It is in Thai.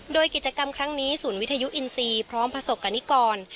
โดยกิจกรรมครั้งนี้ศูนย์วิทยุอินทรีย์พร้อมประสบกรณิกร